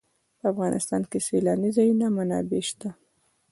په افغانستان کې د سیلانی ځایونه منابع شته.